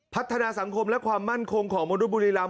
พัฒนาสังคมและความมั่นคงของมนุษย์บุรีรำ